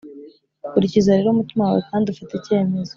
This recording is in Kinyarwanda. kurikiza rero umutima wawe kandi ufate icyemezo